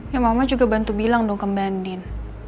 ya mama juga bantu bilang dong ke mbak andin